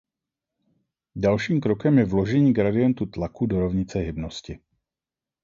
Dalším krokem je vložení gradientu tlaku do rovnice hybnosti.